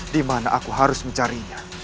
di mana aku harus mencarinya